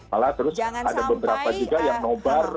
malah terus ada beberapa juga yang nobar